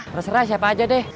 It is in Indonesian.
terserah siapa aja deh